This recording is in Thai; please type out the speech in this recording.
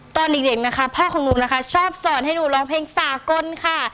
ตอนเด็กนะคะพ่อของหนูนะคะชอบสอนให้หนูร้องเพลงสากลค่ะ